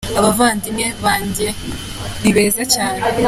Abavandimwe banjye ni beza cyane.